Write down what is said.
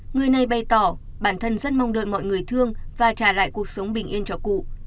người này bày tỏ bản thân rất mong đợi mọi người thương và trả lại cuộc sống bình yên cho cụ